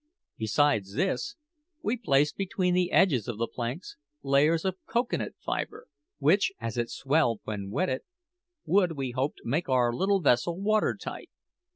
Besides this, we placed between the edges of the planks layers of cocoa nut fibre, which, as it swelled when wetted, would, we hoped, make our little vessel water tight.